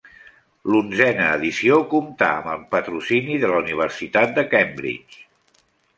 L'onzena edició comptà amb el patrocini de la Universitat de Cambridge.